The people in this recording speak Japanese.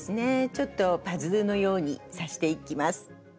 ちょっとパズルのように刺していきます。